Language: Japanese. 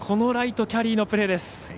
ライト、キャリーのプレー。